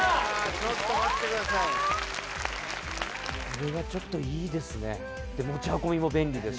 これはちょっといいですね。